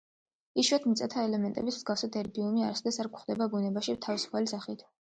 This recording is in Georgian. იშვიათ მიწათა ელემენტების მსგავსად, ერბიუმი არასოდეს არ გვხვდება ბუნებაში თავისუფალი სახით.